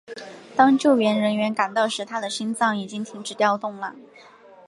当救援人员赶到时他的心脏已经停止跳动了。